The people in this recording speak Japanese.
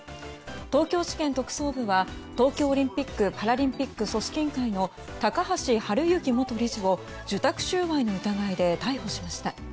東京地検特捜部は東京オリンピック・パラリンピック組織委員会の高橋治之元理事を受託収賄の疑いで逮捕しました。